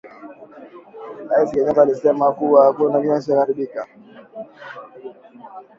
Raisi Kenyatta alisema kuwa hakuna kitakacho haribika